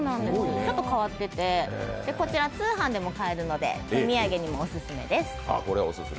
ちょっと変わってて、こちらは通販でも買えるので手土産にもオススメです。